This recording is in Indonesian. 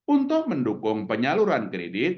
untuk mendukung penyaluran kredit